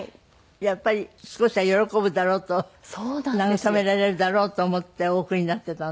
やっぱり少しは喜ぶだろうと慰められるだろうと思ってお送りになっていたのね。